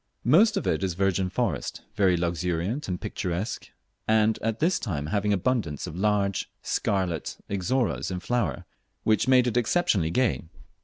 Most of it is virgin forest, very luxuriant and picturesque, and at this time having abundance of large scarlet Ixoras in flower, which made it exceptionally gay.